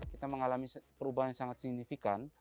kita mengalami perubahan yang sangat signifikan